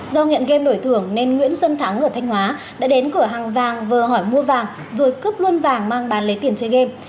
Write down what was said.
do nghiện game đổi thưởng nên nguyễn xuân thắng ở thanh hóa đã đến cửa hàng vàng vờ hỏi mua vàng rồi cướp luôn vàng mang bán lấy tiền chơi game